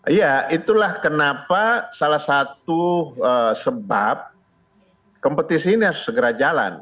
iya itulah kenapa salah satu sebab kompetisi ini harus segera jalan